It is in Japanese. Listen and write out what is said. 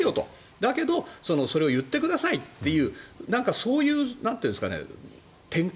だけどそれを言ってくださいというそういう展開